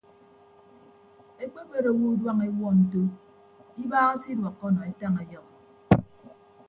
Ekpebet owo uduañ ewuọ nto ibaaha se iduọkkọ nọ etañ ọyọhọ.